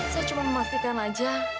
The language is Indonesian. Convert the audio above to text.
saya cuma memastikan aja